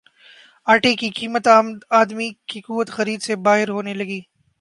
ٹےکی قیمت عام دمی کی قوت خرید سے باہر ہونے لگی